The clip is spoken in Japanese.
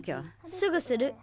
すぐする。